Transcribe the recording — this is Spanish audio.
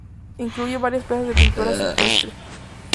Incluye varias piezas de pintura rupestre.